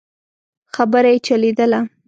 خبره يې چلېدله.